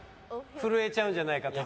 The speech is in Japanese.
震えちゃうんじゃないかと。